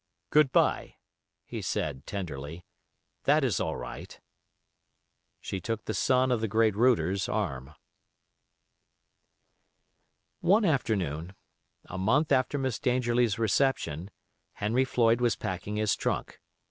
"Good by," he said, tenderly. "That is all right." She took the son of the great Router's arm. One afternoon, a month after Miss Dangerlie's reception, Henry Floyd was packing his trunk.